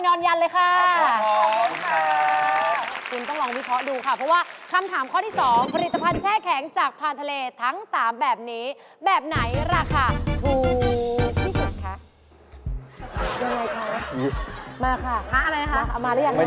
ให้แม่ซื้อส่งกระแสจิตมาอยู่ค่ะว่าอันไหนถูกสด